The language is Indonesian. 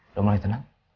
udah mulai tenang